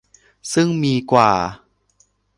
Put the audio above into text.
ซึ่งมีกว่า